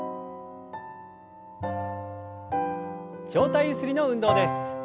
上体ゆすりの運動です。